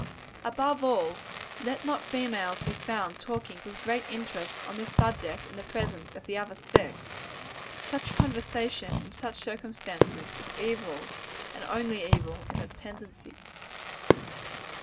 Above all, let not females be found talking with great interest on this subject in the presence of the other sex. Such conversation, in such circumstances, is evil, and only evil, in its tendency.